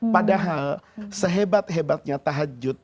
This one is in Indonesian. padahal sehebat hebatnya tahajud